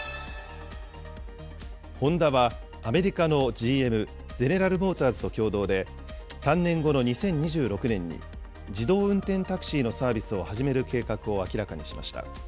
ホンダはアメリカのＧＭ・ゼネラル・モーターズと共同で、３年後の２０２６年に、自動運転タクシーのサービスを始める計画を明らかにしました。